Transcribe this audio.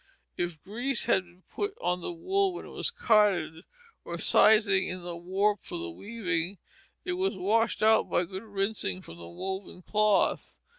If grease had been put on the wool when it was carded, or sizing in the warp for the weaving, it was washed out by good rinsing from the woven cloth.